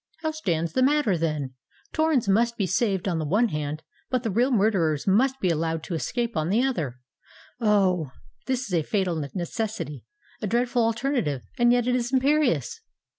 How stands the matter, then? Torrens must be saved on the one hand; but the real murderers must be allowed to escape on the other! Oh! this is a fatal necessity—a dreadful alternative; and yet it is imperious!"